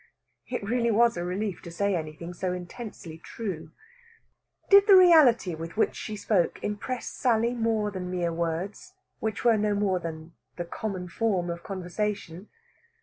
It really was a relief to say anything so intensely true. Did the reality with which she spoke impress Sally more than the mere words, which were no more than "common form" of conversation?